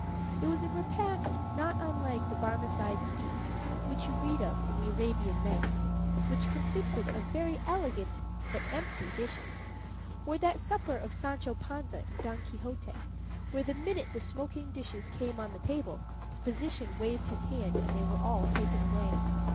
It was a repast not unlike the Barmecide's feast which you read of in the "Arabian Nights," which consisted of very elegant but empty dishes, or that supper of Sancho Panza in "Don Quixote," where, the minute the smoking dishes came on the table, the physician waved his hand and they were all taken away.